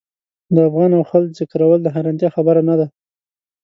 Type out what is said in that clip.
د افغان او خلج ذکرول د حیرانتیا خبره نه ده.